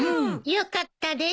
よかったです。